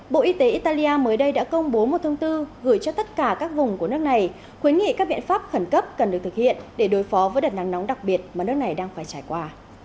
bộ y tế italia mới đây đã công bố một thông tư gửi cho tất cả các vùng của nước này khuyến nghị các biện pháp khẩn cấp cần được thực hiện để đối phó với đợt nắng nóng đặc biệt mà nước này đang phải trải qua